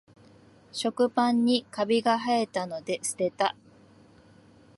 食パンにカビがはえたので捨てた